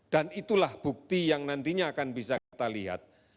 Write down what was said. dan itulah bukti yang nantinya akan bisa kita lihat